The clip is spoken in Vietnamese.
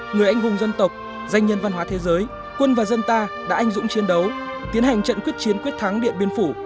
người anh hùng dân tộc danh nhân văn hóa thế giới quân và dân ta đã anh dũng chiến đấu tiến hành trận quyết chiến quyết thắng điện biên phủ